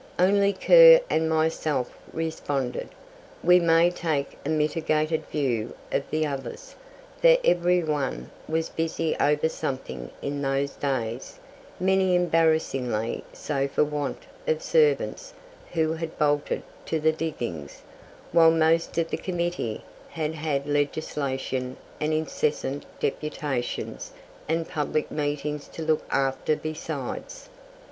Only Kerr and myself responded! We may take a mitigated view of the others, for everyone was busy over something in those days, many embarrassingly so for want of servants, who had "bolted" to the diggings, while most of the committee had had legislation and incessant deputations and public meetings to look after besides.